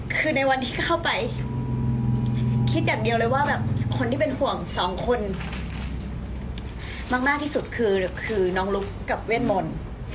คือในวันที่เข้าไปคิดอย่างเดียวเลยว่าแบบคนที่เป็นห่วงสองคนมากที่สุดคือน้องลุ๊กกับเวทมนต์